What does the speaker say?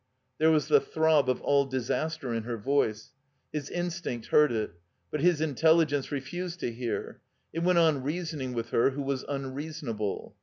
There was the throb of all disaster in her voice. His instinct heard it. But his intelligence refused to hear. It went on reasoning with her who was unreasonable.